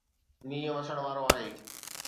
مينهن وسڻ وارو آهي